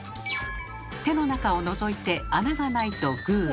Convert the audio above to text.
手の中をのぞいて穴がないと「グー」